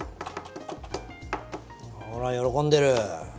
ほら喜んでる。